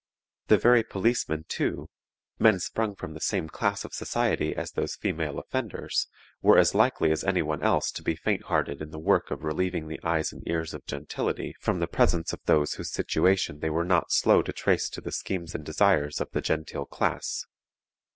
The very policemen, too men sprung from the same class of society as those female offenders were as likely as any one else to be fainthearted in the work of relieving the eyes and ears of gentility from the presence of those whose situation they were not slow to trace to the schemes and desires of the genteel class.